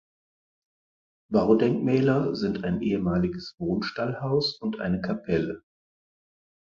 Baudenkmäler sind ein ehemaliges Wohnstallhaus und eine Kapelle.